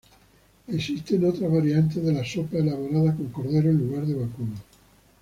Existen otras variantes de la sopa elaboradas con cordero en lugar de vacuno.